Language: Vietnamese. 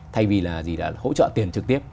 thay vì là hỗ trợ tiền trực tiếp